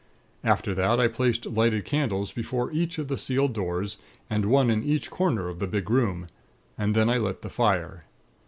After that, I placed lighted candles before each of the sealed doors, and one in each corner of the big room; and then I lit the fire.